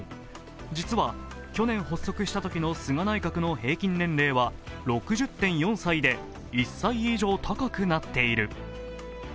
実は去年発足したときの平均年齢は６０．４歳で１歳以上高くなっている。